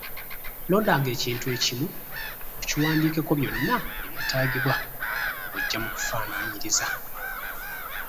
Londanga ekintu ekimu, okiwandikeko byonna ebyetaagibwa, ng'oggya mu kufaanaanyiriza.